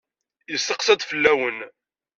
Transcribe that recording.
Yesteqsa-d fell-awen.